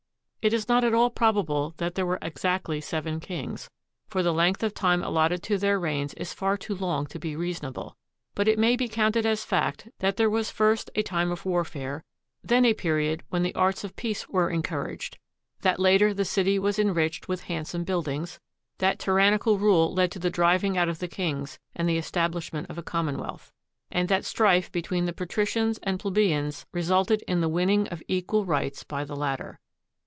It is not at all probable that there were exactly seven kings, for the length of time allotted to their reigns is far too long to be reasonable; but it may be counted as fact that there was first a time of warfare, then a period when the arts of peace were encouraged; that later the city was enriched with handsome buildings; that tyrannical rule led to the driving out of the kings and the establishment of a commonwealth; and that strife between the patricians and the plebeians resulted in the winning of equal rights by the latter.